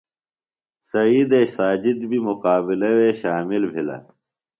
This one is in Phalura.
سعیدے ساجد بیۡ مقابلہ وے شامل بِھلہ۔